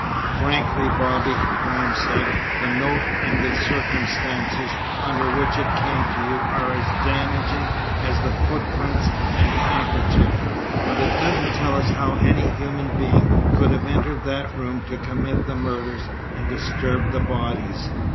"Frankly, Bobby," Graham said, "the note and the circumstances under which it came to you are as damaging as the footprints and the handkerchief, but it doesn't tell us how any human being could have entered that room to commit the murders and disturb the bodies.